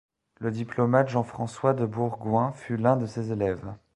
Le diplomate Jean-François de Bourgoing fut l'un de ses élèves.